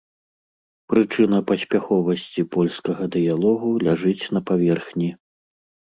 Прычына паспяховасці польскага дыялогу ляжыць на паверхні.